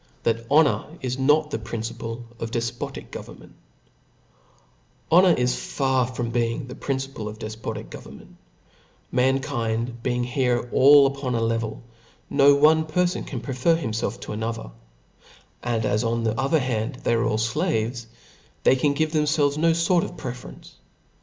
^hat honor is not the Principle of dejfoiic Government • 111 O Kf O R is far from being the principle of Book ^•* defpotic government: manlcind being here chap. 8, 9II upon a level, no one perfon can prefer himfelf to another ; and as on the other hand they are all (laves, they c^n give themfclves no fort of pre ference.